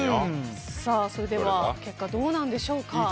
それでは結果どうなんでしょうか。